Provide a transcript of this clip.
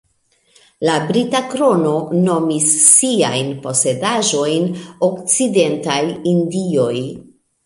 La Brita Krono nomis siajn posedaĵojn Okcidentaj Indioj.